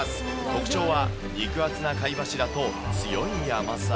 特徴は、肉厚な貝柱と強い甘さ。